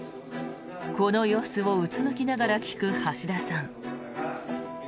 この様子をうつむきながら聞く橋田さん。